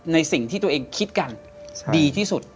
ในสิ่งที่ตัวเองคิดกันดีที่สุด